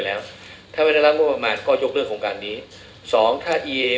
และห้ามให้ศิษย์กับผู้รับจ้างลายนั้นลงไปในพืชที่